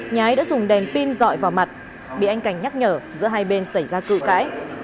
nhái đã dùng đèn pin dọi vào mặt bị anh cảnh nhắc nhở giữa hai bên xảy ra cự cãi